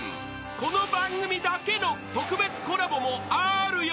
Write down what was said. ［この番組だけの特別コラボもあるよ］